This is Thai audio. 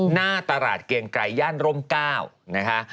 หน้าตลาดเกียงไกรย่านร่ม๙นะคะ